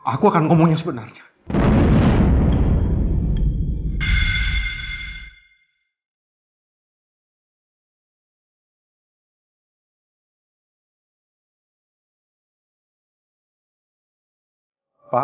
aku cuma ngomong yang sebenarnya ma